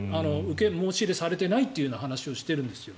申し入れされてないって話をしてるんですよ。